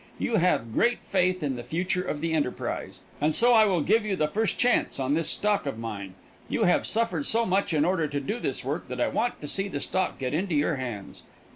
You have great faith in the future of the enterprise, and so I will give you the first chance on this stock of mine. You have suffered so much in order to do this work that I want to see the stock get into your hands.